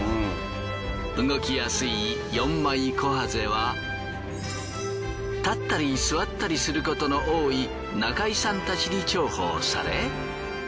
動きやすい４枚こはぜは立ったり座ったりすることの多い仲居さんたちに重宝され